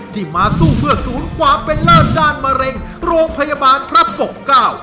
ที่มาสู้เพื่อศูนย์ความเป็นเลิศด้านมะเร็งโรงพยาบาลพระปกเก้า